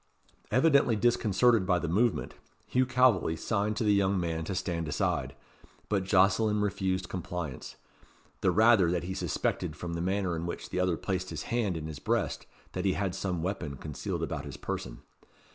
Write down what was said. Evidently disconcerted by the movement, Hugh Calveley signed to the young man to stand aside, but Jocelyn refused compliance; the rather that he suspected from the manner in which the other placed his hand in his breast that he had some weapon concealed about his person.